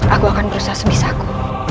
aku akan berusaha sebisaku